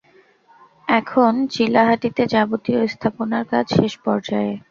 এখন চিলাহাটিতে যাবতীয় স্থাপনার কাজ শেষ পর্যায়ে।